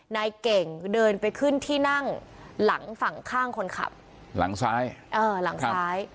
นายเก่งเดินไปขึ้นที่นั่งหลังฝั่งข้างคนขับหลังซ้ายเออหลังซ้าย